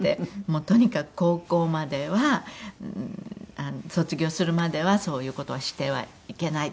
とにかく高校までは卒業するまではそういう事はしてはいけない。